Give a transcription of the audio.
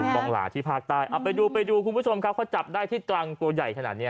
บองหลาที่ภาคใต้ไปดูคุณผู้ชมเขาจับได้ที่ตรงตัวใหญ่ขนาดนี้